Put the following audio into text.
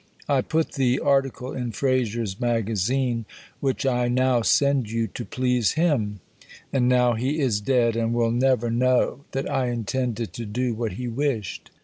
I put the article in Fraser's Magazine (which I now send you) to please him. And now he is dead, and will never know that I intended to do what he wished.